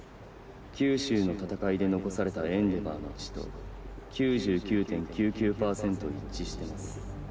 九州の戦いで残されたエンデヴァーの血と９９．９９％一致してます。